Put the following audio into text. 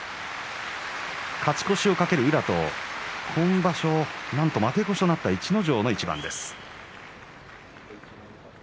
勝ち越しを懸ける宇良と今場所、なんと負け越しとなった逸ノ城の一番です。